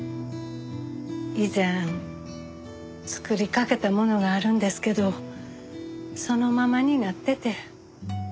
以前作りかけたものがあるんですけどそのままになってて。